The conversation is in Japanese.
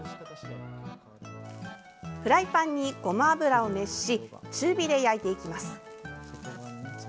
フライパンにごま油を熱し中火で焼いていきます。